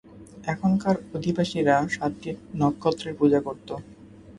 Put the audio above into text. এখানকার অধিবাসীরা সাতটি নক্ষত্রের পূজা করত।